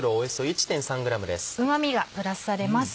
うま味がプラスされます。